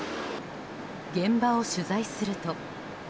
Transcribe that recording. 現在を取材すると。